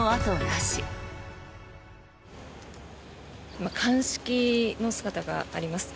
今、鑑識の姿があります。